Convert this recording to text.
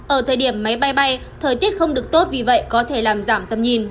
ở thời điểm máy bay bay thời tiết không được tốt vì vậy có thể làm giảm tâm nhìn